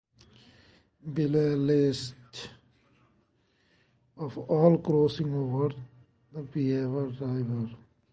Below is a list of all crossings over the Beaver River.